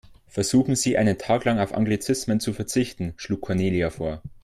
Versuchen Sie, einen Tag lang auf Anglizismen zu verzichten, schlug Cornelia vor.